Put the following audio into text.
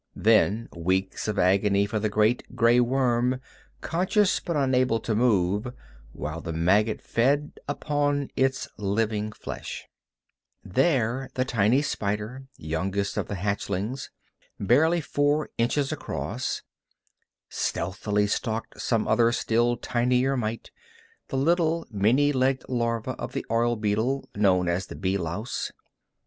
Then weeks of agony for the great gray worm, conscious, but unable to move, while the maggot fed upon its living flesh There the tiny spider, youngest of hatchlings, barely four inches across, stealthily stalked some other still tinier mite, the little, many legged larva of the oil beetle, known as the bee louse.